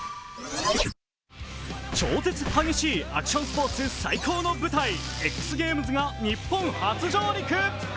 超絶激しいアクションスポーツ、ＸＧａｍｅｓが日本初上陸。